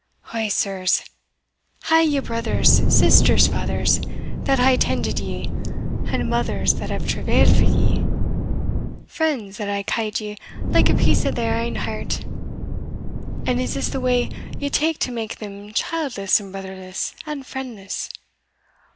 O sirs! hae ye brothers, sisters, fathers, that hae tended ye, and mothers that hae travailed for ye, friends that hae ca'd ye like a piece o' their ain heart? and is this the way ye tak to make them childless and brotherless and friendless?